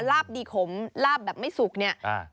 ลาบดีขมลาบแบบไม่สุกเนี่ย